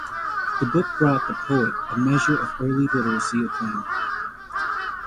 The book brought the poet a measure of early literary acclaim.